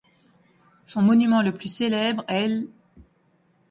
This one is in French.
Son monument le plus célèbre est l'.